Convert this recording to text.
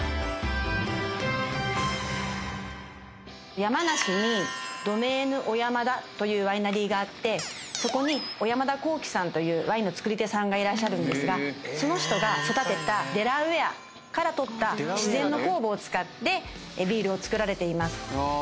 山梨にドメーヌ・オヤマダというワイナリーがあってそこに小山田幸紀さんというワインの造り手さんがいるんですがその人が育てたデラウェアから取った自然の酵母を使ってビールを造られています。